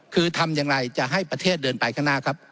คือทำอย่างไรจะให้ประเทศเดินไปข้างหน้าครับ